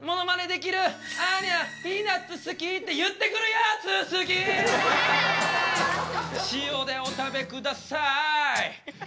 アーニャピーナツ好き。って言ってくるやつ好き塩でお食べください